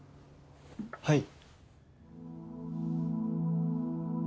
はい。